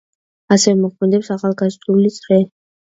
ასევე მოქმედებს ახალგაზრდული წრე.